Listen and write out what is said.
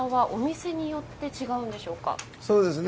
そうですね